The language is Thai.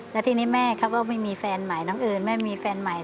แล้วทีนี้แม่เขาก็ไม่มีแฟนใหม่น้องเอิญแม่มีแฟนใหม่